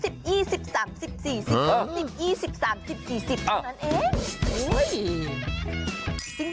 ตรงนั้นเอง